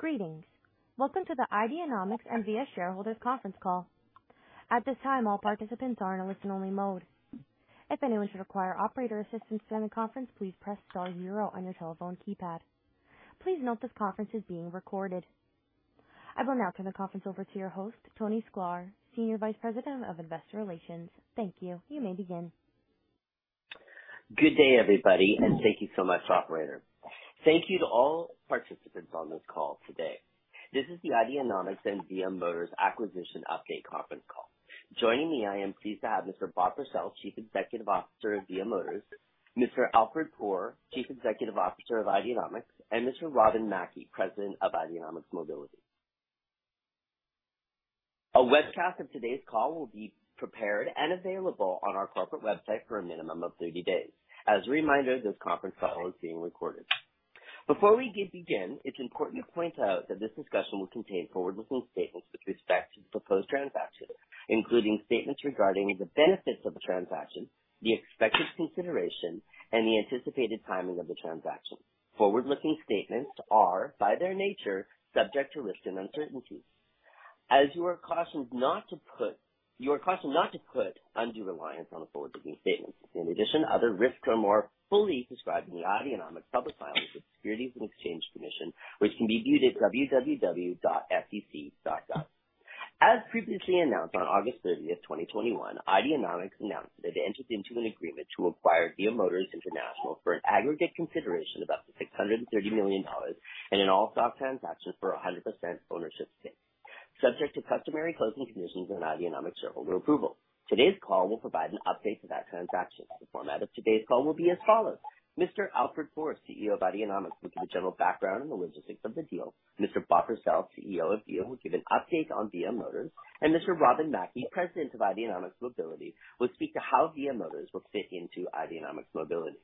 Greetings. Welcome to the Ideanomics and VIA shareholders conference call. At this time, all participants are in a listen-only mode. If anyone should require operator assistance during the conference, please press star zero on your telephone keypad. Please note this conference is being recorded. I will now turn the conference over to your host, Tony Sklar, Senior Vice President of Investor Relations. Thank you. You may begin. Good day, everybody, and thank you so much, operator. Thank you to all participants on this call today. This is the Ideanomics and VIA Motors acquisition update conference call. Joining me, I am pleased to have Mr. Bob Purcell, Chief Executive Officer of VIA Motors, Mr. Alfred Poor, Chief Executive Officer of Ideanomics, and Mr. Robin Mackie, President of Ideanomics Mobility. A webcast of today's call will be prepared and available on our corporate website for a minimum of 30 days. As a reminder, this conference call is being recorded. Before we begin, it's important to point out that this discussion will contain forward-looking statements with respect to the proposed transaction, including statements regarding the benefits of the transaction, the expected consideration, and the anticipated timing of the transaction. Forward-looking statements are, by their nature, subject to risks and uncertainties. You are cautioned not to put undue reliance on the forward-looking statements. In addition, other risks are more fully described in the Ideanomics public filings with the Securities and Exchange Commission, which can be viewed at www.sec.gov. As previously announced on August 30th, 2021, Ideanomics announced that it entered into an agreement to acquire VIA Motors International for an aggregate consideration about $630 million in an all-stock transaction for a 100% ownership stake, subject to customary closing conditions and Ideanomics shareholder approval. Today's call will provide an update to that transaction. The format of today's call will be as follows. Mr. Alfred Poor, CEO of Ideanomics, will give a general background on the logistics of the deal. Mr. Bob Purcell, CEO of VIA, will give an update on VIA Motors. Mr. Robin Mackie, President of Ideanomics Mobility, will speak to how VIA Motors will fit into Ideanomics Mobility.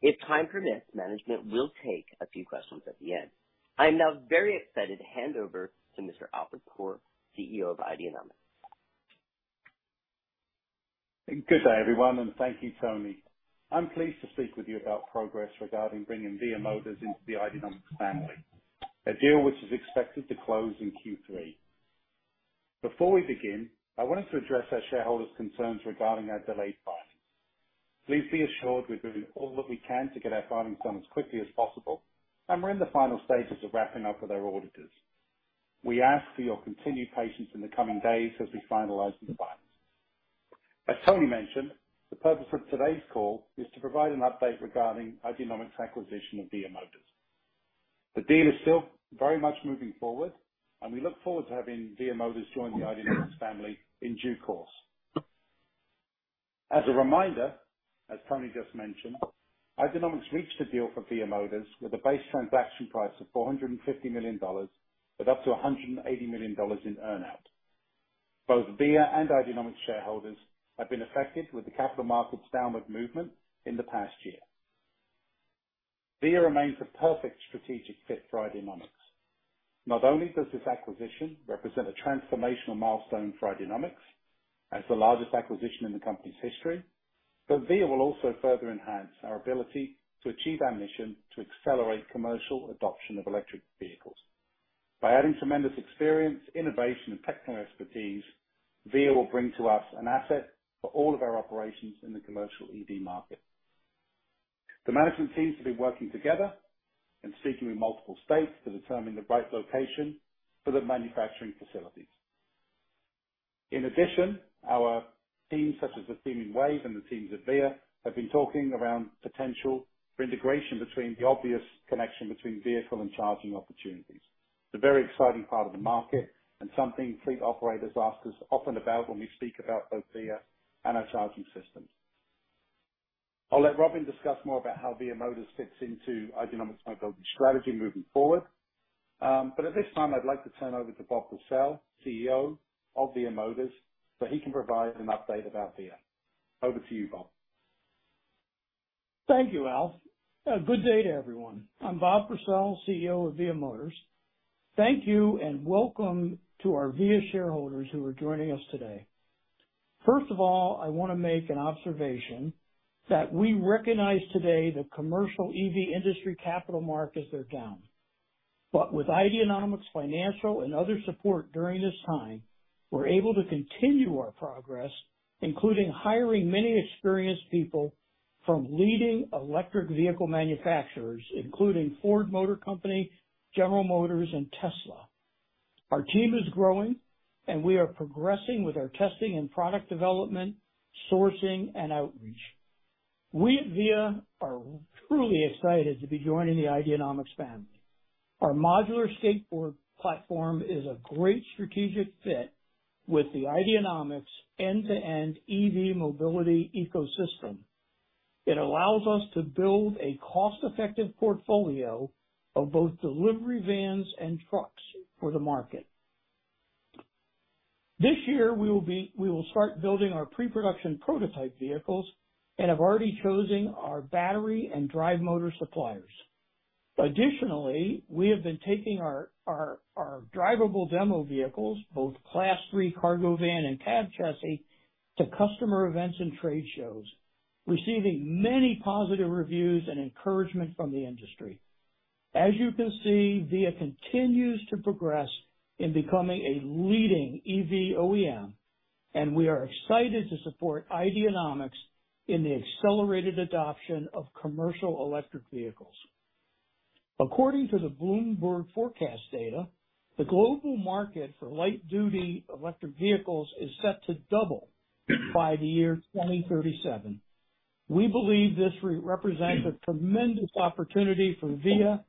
If time permits, management will take a few questions at the end. I am now very excited to hand over to Mr. Alfred Poor, CEO of Ideanomics. Good day, everyone, and thank you, Tony. I'm pleased to speak with you about progress regarding bringing VIA Motors into the Ideanomics family, a deal which is expected to close in Q3. Before we begin, I wanted to address our shareholders' concerns regarding our delayed filings. Please be assured we're doing all that we can to get our filings done as quickly as possible, and we're in the final stages of wrapping up with our auditors. We ask for your continued patience in the coming days as we finalize the filings. As Tony mentioned, the purpose of today's call is to provide an update regarding Ideanomics' acquisition of VIA Motors. The deal is still very much moving forward and we look forward to having VIA Motors join the Ideanomics family in due course. As a reminder, as Tony just mentioned, Ideanomics reached a deal for VIA Motors with a base transaction price of $450 million, with up to $180 million in earn-out. Both VIA and Ideanomics shareholders have been affected with the capital markets downward movement in the past year. VIA remains a perfect strategic fit for Ideanomics. Not only does this acquisition represent a transformational milestone for Ideanomics as the largest acquisition in the company's history, but VIA will also further enhance our ability to achieve our mission to accelerate commercial adoption of electric vehicles. By adding tremendous experience, innovation, and technical expertise, VIA will bring to us an asset for all of our operations in the commercial EV market. The management teams have been working together and speaking with multiple states to determine the right location for the manufacturing facilities. In addition, our teams, such as the team in WAVE and the teams at VIA, have been talking around potential for integration between the obvious connection between vehicle and charging opportunities. It's a very exciting part of the market and something fleet operators ask us often about when we speak about both VIA and our charging systems. I'll let Robin discuss more about how VIA Motors fits into Ideanomics Mobility strategy moving forward. At this time, I'd like to turn over to Bob Purcell, CEO of VIA Motors, so he can provide an update about VIA. Over to you, Bob. Thank you, Alf. Good day to everyone. I'm Bob Purcell, CEO of VIA Motors. Thank you and welcome to our VIA shareholders who are joining us today. First of all, I wanna make an observation that we recognize today the commercial EV industry capital markets are down. With Ideanomics financial and other support during this time, we're able to continue our progress, including hiring many experienced people from leading electric vehicle manufacturers, including Ford Motor Company, General Motors, and Tesla. Our team is growing and we are progressing with our testing and product development, sourcing, and outreach. We at VIA are truly excited to be joining the Ideanomics family. Our modular skateboard platform is a great strategic fit with the Ideanomics end-to-end EV mobility ecosystem. It allows us to build a cost-effective portfolio of both delivery vans and trucks for the market. This year we will start building our pre-production prototype vehicles and have already chosen our battery and drive motor suppliers. Additionally, we have been taking our drivable demo vehicles, both Class 3 cargo van and cab chassis, to customer events and trade shows. Receiving many positive reviews and encouragement from the industry. As you can see, VIA continues to progress in becoming a leading EV OEM, and we are excited to support Ideanomics in the accelerated adoption of commercial electric vehicles. According to the Bloomberg forecast data, the global market for light duty electric vehicles is set to double by the year 2037. We believe this represents a tremendous opportunity for VIA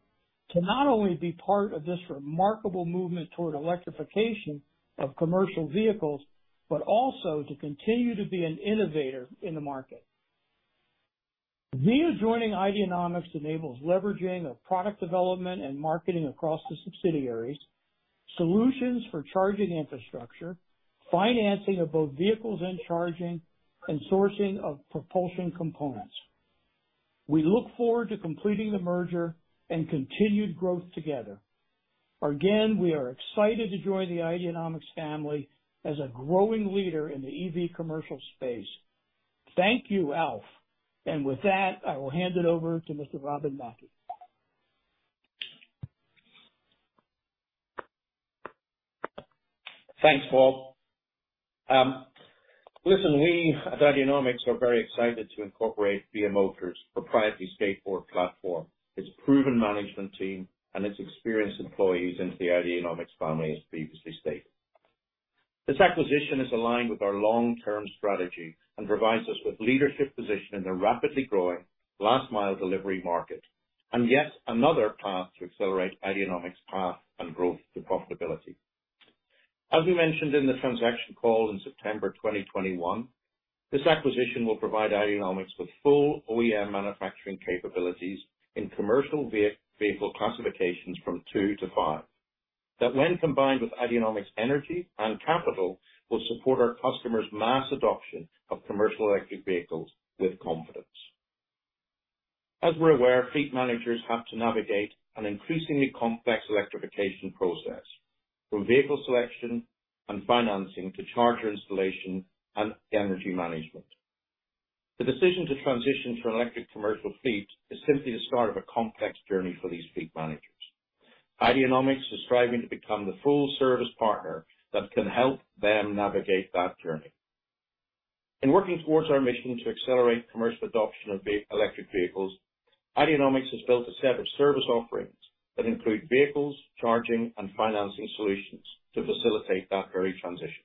to not only be part of this remarkable movement toward electrification of commercial vehicles, but also to continue to be an innovator in the market. VIA joining Ideanomics enables leveraging of product development and marketing across the subsidiaries, solutions for charging infrastructure, financing of both vehicles and charging, and sourcing of propulsion components. We look forward to completing the merger and continued growth together. Again, we are excited to join the Ideanomics family as a growing leader in the EV commercial space. Thank you, Alf. With that, I will hand it over to Mr. Robin Mackie. Thanks, Bob. Listen, we at Ideanomics are very excited to incorporate VIA Motors' proprietary skateboard platform, its proven management team and its experienced employees into the Ideanomics family, as previously stated. This acquisition is aligned with our long-term strategy and provides us with leadership position in the rapidly growing last mile delivery market, and yet another path to accelerate Ideanomics' path and growth to profitability. As we mentioned in the transaction call in September 2021, this acquisition will provide Ideanomics with full OEM manufacturing capabilities in commercial vehicle classifications from two to five. That, when combined with Ideanomics Energy and Capital, will support our customers' mass adoption of commercial electric vehicles with confidence. As we're aware, fleet managers have to navigate an increasingly complex electrification process, from vehicle selection and financing, to charger installation and energy management. The decision to transition to an electric commercial fleet is simply the start of a complex journey for these fleet managers. Ideanomics is striving to become the full service partner that can help them navigate that journey. In working towards our mission to accelerate commercial adoption of electric vehicles, Ideanomics has built a set of service offerings that include vehicles, charging, and financing solutions to facilitate that very transition.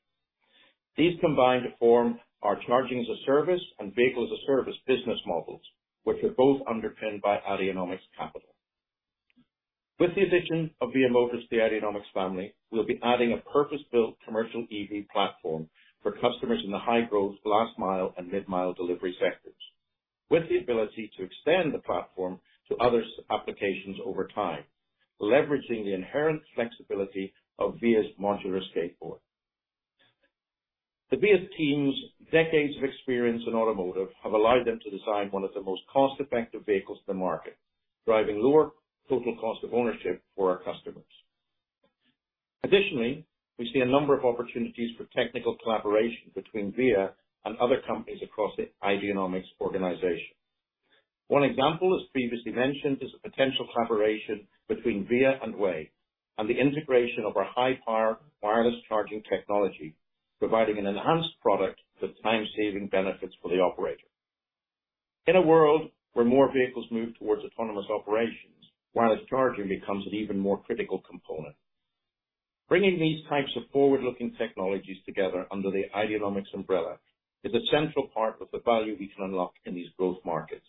These combine to form our charging as a service and vehicle as a service business models, which are both underpinned by Ideanomics Capital. With the addition of VIA Motors to the Ideanomics family, we'll be adding a purpose-built commercial EV platform for customers in the high growth last mile and mid mile delivery sectors, with the ability to extend the platform to other applications over time, leveraging the inherent flexibility of VIA's modular skateboard. The Via team's decades of experience in automotive have allowed them to design one of the most cost-effective vehicles to market, driving lower total cost of ownership for our customers. Additionally, we see a number of opportunities for technical collaboration between Via and other companies across the Ideanomics organization. One example, as previously mentioned, is the potential collaboration between Via and WAVE and the integration of our high power wireless charging technology, providing an enhanced product with time-saving benefits for the operator. In a world where more vehicles move towards autonomous operations, wireless charging becomes an even more critical component. Bringing these types of forward-looking technologies together under the Ideanomics umbrella is a central part of the value we can unlock in these growth markets.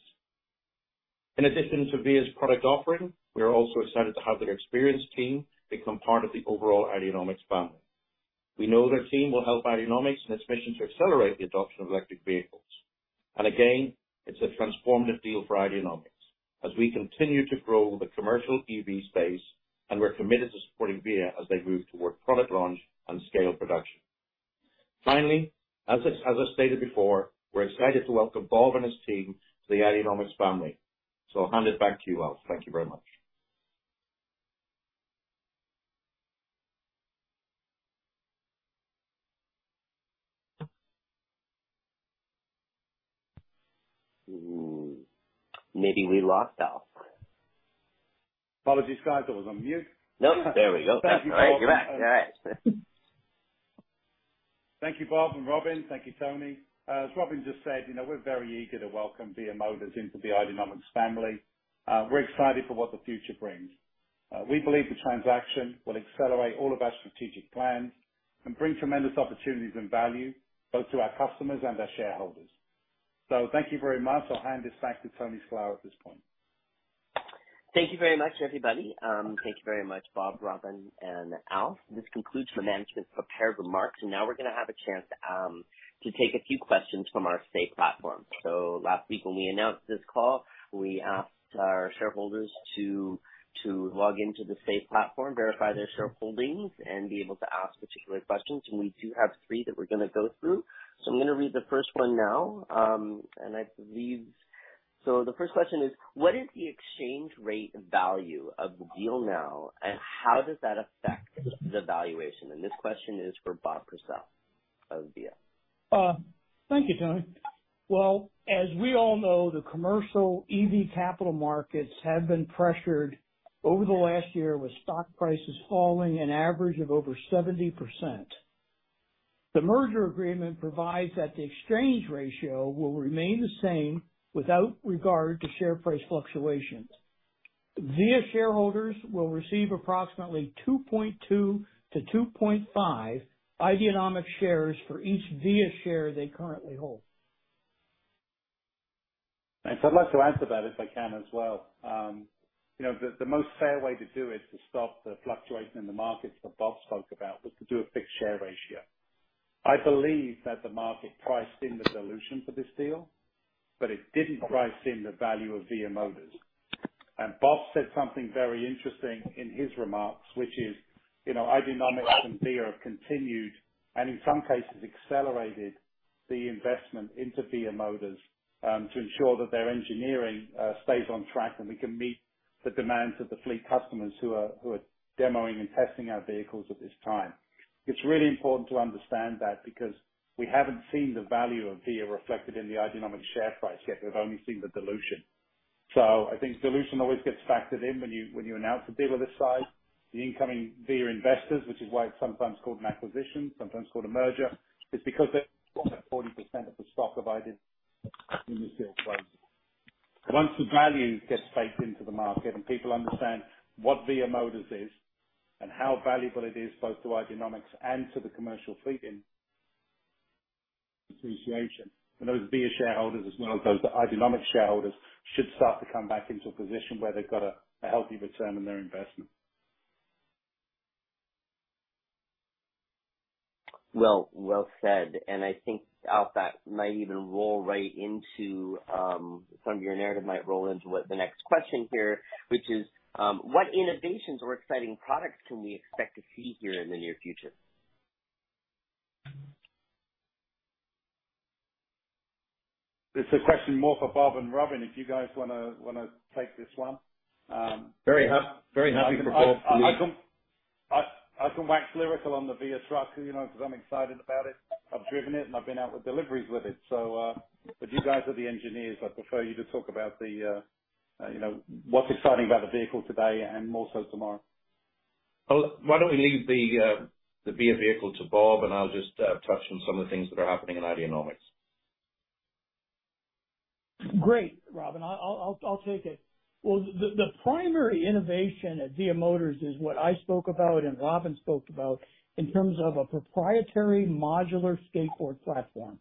In addition to Via's product offering, we are also excited to have their experienced team become part of the overall Ideanomics family. We know their team will help Ideanomics in its mission to accelerate the adoption of electric vehicles. Again, it's a transformative deal for Ideanomics as we continue to grow the commercial EV space, and we're committed to supporting Via as they move toward product launch and scale production. Finally, as I stated before, we're excited to welcome Bob and his team to the Ideanomics family. I'll hand it back to you, Alf. Thank you very much. Maybe we lost Alf. Apologies, guys. I was on mute. Nope. There we go. That's all right. You're back. You're all right. Thank you, Bob and Robin. Thank you, Tony. As Robin just said, you know, we're very eager to welcome VIA Motors into the Ideanomics family. We're excited for what the future brings. We believe the transaction will accelerate all of our strategic plans and bring tremendous opportunities and value both to our customers and our shareholders. Thank you very much. I'll hand this back to Tony Sklar at this point. Thank you very much, everybody. Thank you very much, Bob, Robin, and Alf. This concludes the management's prepared remarks, and now we're gonna have a chance to take a few questions from our Say platform. Last week when we announced this call, we asked our shareholders to log into the Say platform, verify their shareholdings and be able to ask particular questions. We do have three that we're gonna go through. I'm gonna read the first one now, and I believe the first question is, what is the exchange rate value of the deal now, and how does that affect the valuation? This question is for Bob Purcell of VIA Motors. Thank you, Tony. Well, as we all know, the commercial EV capital markets have been pressured over the last year, with stock prices falling an average of over 70%. The merger agreement provides that the exchange ratio will remain the same without regard to share price fluctuations. Via shareholders will receive approximately 2.2%-2.5% Ideanomics shares for each Via share they currently hold. I'd like to add to that, if I can, as well. You know, the most fair way to do it, to stop the fluctuation in the markets that Bob spoke about, was to do a fixed share ratio. I believe that the market priced in the dilution for this deal, but it didn't price in the value of VIA Motors. Bob said something very interesting in his remarks, which is, you know, Ideanomics and VIA have continued, and in some cases accelerated the investment into VIA Motors, to ensure that their engineering stays on track and we can meet the demands of the fleet customers who are demoing and testing our vehicles at this time. It's really important to understand that because we haven't seen the value of VIA reflected in the Ideanomics share price yet. We've only seen the dilution. I think dilution always gets factored in when you announce a deal of this size. The incoming VIA investors, which is why it's sometimes called an acquisition, sometimes called a merger. It's because they want that 40% of the stock provided in this deal to close. Once the value gets baked into the market and people understand what VIA Motors is and how valuable it is both to Ideanomics and to the commercial fleet association, then those VIA shareholders as well as those Ideanomics shareholders should start to come back into a position where they've got a healthy return on their investment. Well said. I think that some of your narrative might roll into what the next question is here, which is what innovations or exciting products can we expect to see here in the near future? It's a question more for Bob and Robin, if you guys wanna take this one. Very happy to- I can wax lyrical on the VIA truck, you know, because I'm excited about it. I've driven it and I've been out with deliveries with it. You guys are the engineers. I'd prefer you to talk about the, you know, what's exciting about the vehicle today and more so tomorrow. Well, why don't we leave the VIA vehicle to Bob, and I'll just touch on some of the things that are happening in Ideanomics. Great, Robin. I'll take it. Well, the primary innovation at VIA Motors is what I spoke about and Robin spoke about in terms of a proprietary modular skateboard platform.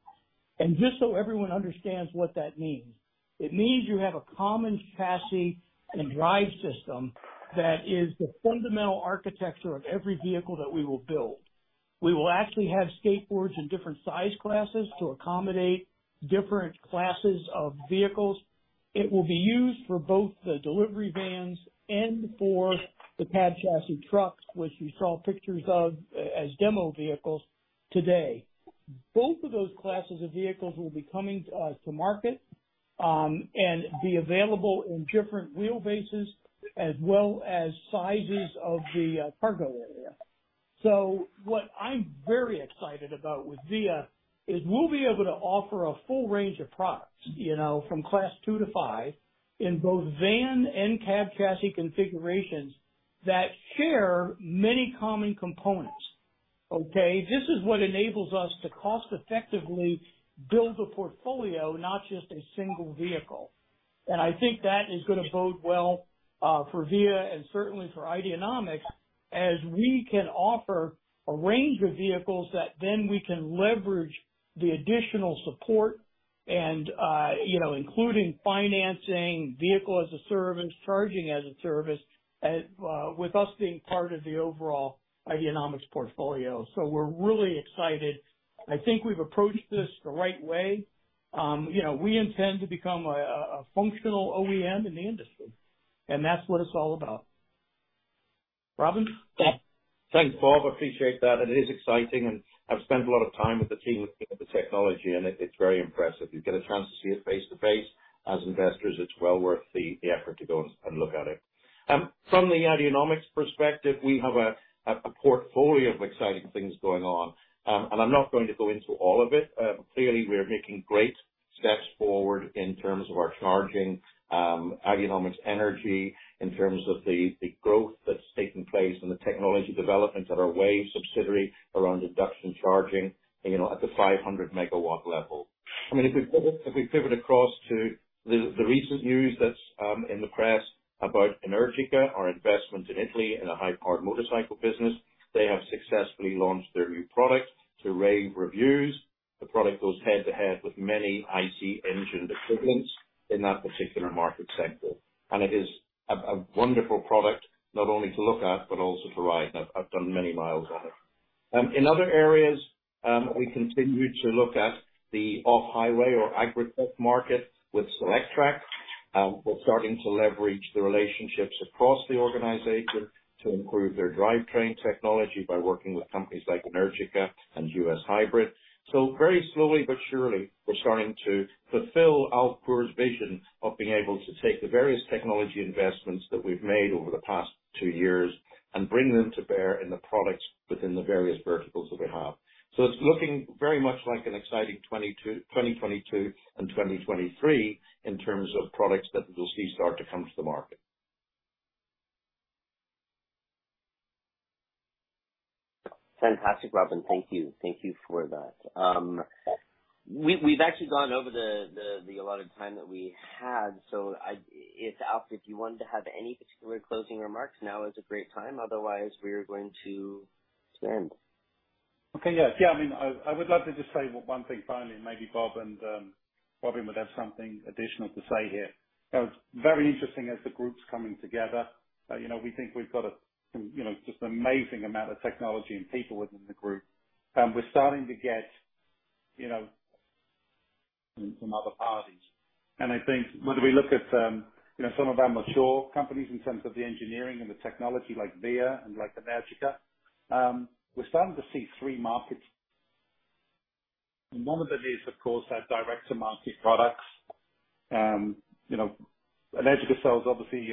Just so everyone understands what that means, it means you have a common chassis and drive system that is the fundamental architecture of every vehicle that we will build. We will actually have skateboards in different size classes to accommodate different classes of vehicles. It will be used for both the delivery vans and for the cab chassis trucks, which you saw pictures of as demo vehicles today. Both of those classes of vehicles will be coming to market and be available in different wheelbases as well as sizes of the cargo area. What I'm very excited about with VIA is we'll be able to offer a full range of products, you know, from Class 2-5 in both van and cab chassis configurations that share many common components. Okay. This is what enables us to cost-effectively build a portfolio, not just a single vehicle. I think that is gonna bode well for VIA and certainly for Ideanomics, as we can offer a range of vehicles that then we can leverage the additional support and, you know, including financing, Vehicle as a Service, Charging as a Service, with us being part of the overall Ideanomics portfolio. We're really excited. I think we've approached this the right way. We intend to become a functional OEM in the industry, and that's what it's all about. Robin? Yeah. Thanks, Bob. Appreciate that. It is exciting, and I've spent a lot of time with the team looking at the technology, and it's very impressive. You get a chance to see it face to face as investors, it's well worth the effort to go and look at it. From the Ideanomics perspective, we have a portfolio of exciting things going on. I'm not going to go into all of it. Clearly, we are making great steps forward in terms of our charging, Ideanomics Energy, in terms of the growth that's taking place and the technology developments at our WAVE subsidiary around induction charging, you know, at the 500 kilowatt level. I mean, if we pivot across to the recent news that's in the press about Energica, our investment in Italy in a high-powered motorcycle business. They have successfully launched their new product to rave reviews. The product goes head-to-head with many IC engine equivalents in that particular market sector. It is a wonderful product, not only to look at, but also to ride. I've done many miles on it. In other areas, we continue to look at the off-highway or agritech market with Solectrac. We're starting to leverage the relationships across the organization to improve their drivetrain technology by working with companies like Energica and US Hybrid. Very slowly but surely, we're starting to fulfill Alf Poor's vision of being able to take the various technology investments that we've made over the past two years and bring them to bear in the products within the various verticals that we have. It's looking very much like an exciting 2022 and 2023 in terms of products that we will see start to come to the market. Fantastic, Robin. Thank you. Thank you for that. We've actually gone over the allotted time that we had, so Alf, if you wanted to have any particular closing remarks, now is a great time. Otherwise, we are going to end. Okay. Yeah. Yeah. I mean, I would love to just say one thing finally, and maybe Bob and Robin would have something additional to say here. You know, it's very interesting as the group's coming together that, you know, we think we've got a, you know, just amazing amount of technology and people within the group. We're starting to get, you know, from other parties. I think whether we look at, you know, some of our mature companies in terms of the engineering and the technology like VIA and like Energica, we're starting to see three markets. One of them is, of course, our direct-to-market products. You know, Energica sells obviously,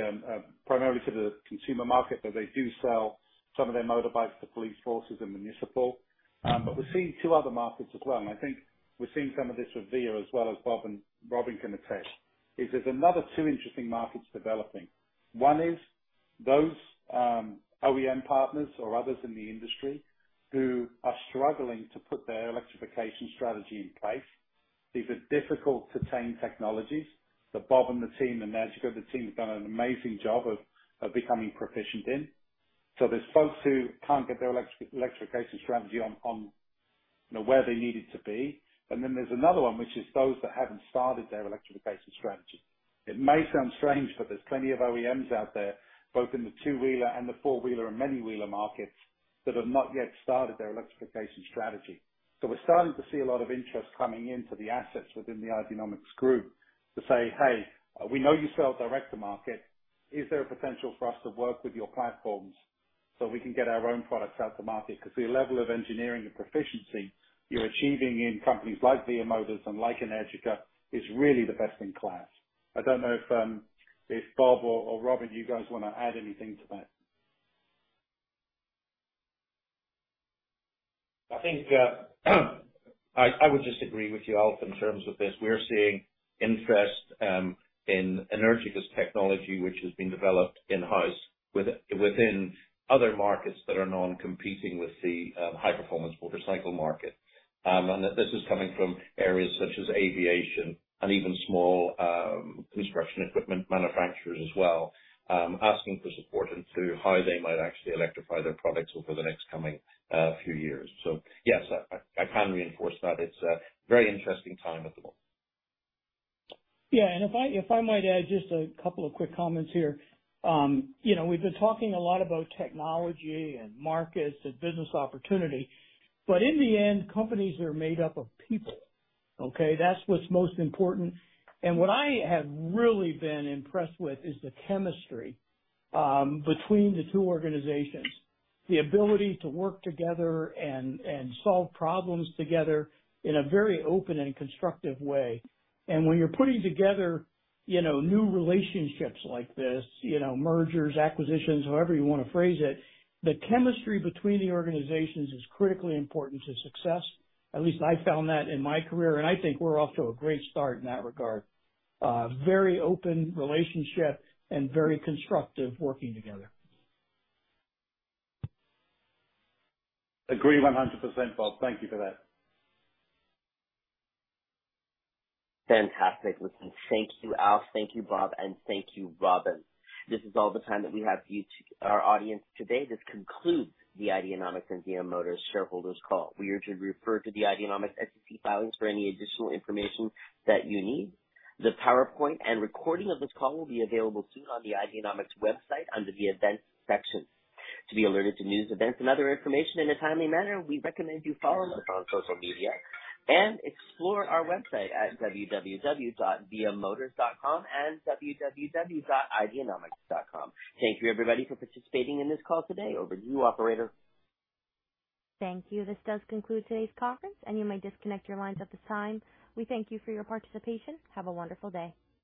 primarily to the consumer market, but they do sell some of their motorbikes to police forces and municipal. We're seeing two other markets as well, and I think we're seeing some of this with VIA as well, as Bob and Robin can attest. There's another two interesting markets developing. One is those, OEM partners or others in the industry who are struggling to put their electrification strategy in place. These are difficult-to-tame technologies that Bob and the team at Energica, the team's done an amazing job of becoming proficient in. There's folks who can't get their electrification strategy on, you know, where they need it to be. There's another one, which is those that haven't started their electrification strategy. It may sound strange, but there's plenty of OEMs out there, both in the two-wheeler and the four-wheeler and many-wheeler markets, that have not yet started their electrification strategy. We're starting to see a lot of interest coming into the assets within the Ideanomics group to say, "Hey, we know you sell direct to market. Is there a potential for us to work with your platforms so we can get our own products out to market? 'Cause your level of engineering and proficiency you're achieving in companies like VIA Motors and like Energica is really the best in class." I don't know if Bob or Robin, you guys wanna add anything to that. I think, I would just agree with you, Alf, in terms of this. We're seeing interest in Energica's technology, which has been developed in-house within other markets that are non-competing with the high-performance motorcycle market. This is coming from areas such as aviation and even small construction equipment manufacturers as well, asking for support into how they might actually electrify their products over the next coming few years. Yes, I can reinforce that. It's a very interesting time at the moment. Yeah. If I might add just a couple of quick comments here. You know, we've been talking a lot about technology and markets and business opportunity, but in the end, companies are made up of people, okay? That's what's most important. What I have really been impressed with is the chemistry between the two organizations. The ability to work together and solve problems together in a very open and constructive way. When you're putting together, you know, new relationships like this, you know, mergers, acquisitions, however you wanna phrase it, the chemistry between the organizations is critically important to success. At least I found that in my career, and I think we're off to a great start in that regard. Very open relationship and very constructive working together. Agree 100%, Bob. Thank you for that. Fantastic. Listen. Thank you, Alf, thank you, Bob, and thank you, Robin. This is all the time that we have for our audience today. This concludes the Ideanomics and VIA Motors shareholders call. We urge you to refer to the Ideanomics SEC filings for any additional information that you need. The PowerPoint and recording of this call will be available soon on the Ideanomics website under the Events section. To be alerted to news, events, and other information in a timely manner, we recommend you follow us on social media and explore our website at www.viamotors.com and www.ideanomics.com. Thank you everybody for participating in this call today. Over to you, operator. Thank you. This does conclude today's conference, and you may disconnect your lines at this time. We thank you for your participation. Have a wonderful day.